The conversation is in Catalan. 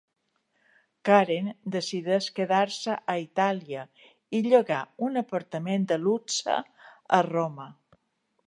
Karen decideix quedar-se a Itàlia i llogar un apartament de luxe a Roma.